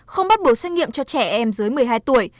không bắt buộc xét nghiệm cho trẻ em dưới một mươi hai tuổi